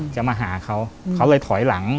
จะมาหาเขาเขาเลยถอยหลัง